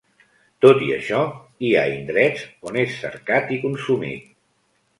Tot i això, hi ha indrets on és cercat i consumit.